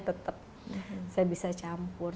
tetap saya bisa campur